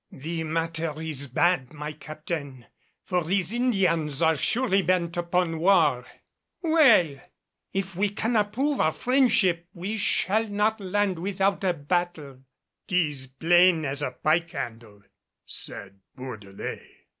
"The matter is bad, my Captain, for these Indians are surely bent upon war " "Well!" "If we cannot prove our friendship we shall not land without a battle." "'Tis plain as a pike handle," said Bourdelais.